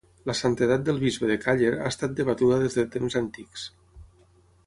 La santedat del bisbe de Càller ha estat debatuda des de temps antics.